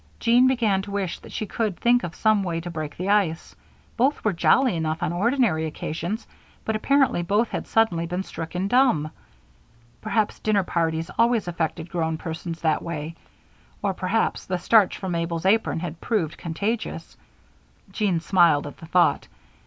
Jean began to wish that she could think of some way to break the ice. Both were jolly enough on ordinary occasions, but apparently both had suddenly been stricken dumb. Perhaps dinner parties always affected grown persons that way, or perhaps the starch from Mabel's apron had proved contagious; Jean smiled at the thought.